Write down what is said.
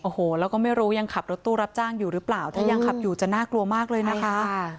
โอ้โหแล้วก็ไม่รู้ยังขับรถตู้รับจ้างอยู่หรือเปล่าถ้ายังขับอยู่จะน่ากลัวมากเลยนะคะ